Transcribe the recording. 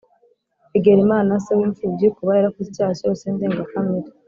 Egera Imana Se w impfubyi Kuba yarakoze icyaha cyose ndengakamere